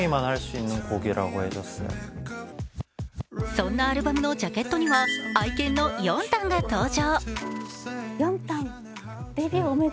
そんなアルバムのジャケットには愛犬のヨンタンが登場。